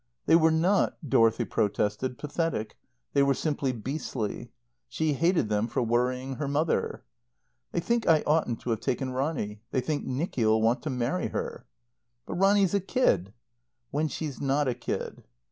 They were not, Dorothy protested, pathetic; they were simply beastly. She hated them for worrying her mother. "They think I oughtn't to have taken Ronny. They think Nicky'll want to marry her." "But Ronny's a kid " "When she's not a kid."